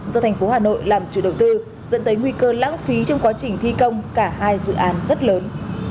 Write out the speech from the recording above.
do thành phố hà nội làm chủ đầu tư dẫn tới nguy cơ lãng phí trong quá trình thi công cả hai dự án rất lớn